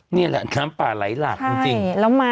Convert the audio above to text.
นี่แหละน้ำป่าไหลหลากจริง